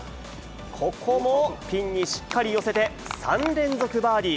ここもピンにしっかり寄せて、３連続バーディー。